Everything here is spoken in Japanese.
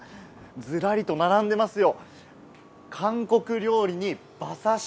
ずらりと並んでいますよ。